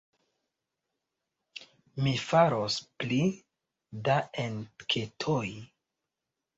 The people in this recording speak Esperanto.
Mi faros pli da enketoj.